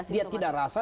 dia tidak rasa